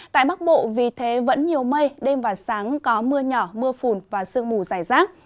tại bắc bộ vì thế vẫn nhiều mây đêm và sáng có mưa nhỏ mưa phùn và sương mù dài rác